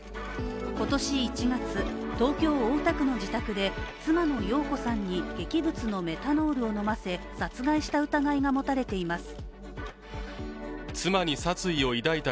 今年１月、東京・大田区の自宅で妻の容子さんに劇物のメタノールを飲ませ殺害した疑いが持たれています。